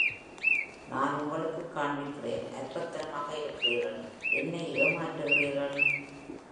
நான் உங்களுக்கு காண்பிக்கிறேன், அற்பத்தனமாக இருக்கிறீர்கள் — என்னை ஏமாற்றுகிறீர்கள்!